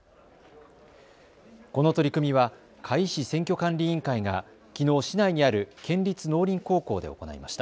この取り組みは甲斐市選挙管理委員会がきのう市内にある県立農林高校で行いました。